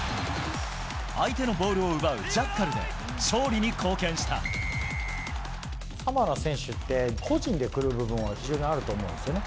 相手のボールを奪うジャッカサモアの選手って、個人で来る部分は非常にあると思うんですね。